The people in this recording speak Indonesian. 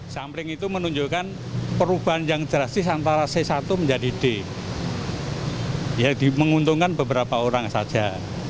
sampling itu menunjukkan perubahan yang drastis antara c satu menjadi d ya menguntungkan beberapa orang saja